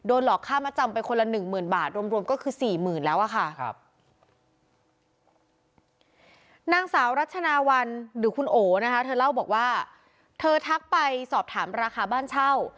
โอ้โหนะฮะเธอเล่าบอกว่าเธอทักไปสอบถามราคาบ้านเช่า